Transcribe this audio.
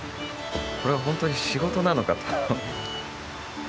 これは本当に仕事なのかと。